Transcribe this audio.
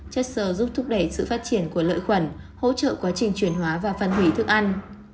chất sờ giúp thúc đẩy sự phát triển của lợi khuẩn hỗ trợ quá trình chuyển hóa và phân hủy thức ăn